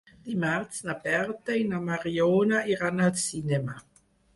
Dimarts na Berta i na Mariona iran al cinema.